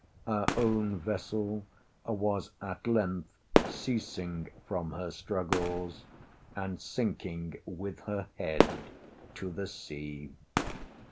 Our own vessel was at length ceasing from her struggles, and sinking with her head to the sea.